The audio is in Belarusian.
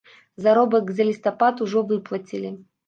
Заробак за лістапад ужо выплацілі.